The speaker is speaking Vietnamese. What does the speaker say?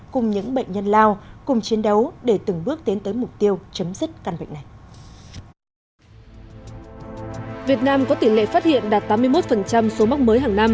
cùng những bệnh nhân lao cùng chiến đấu để từng bước tiến tới mục tiêu chấm dứt căn bệnh này